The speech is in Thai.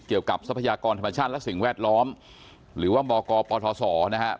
เกี่ยวกับทรัพยากรธรรมชาติและสิ่งแวดล้อมหรือว่าบกปศนะครับ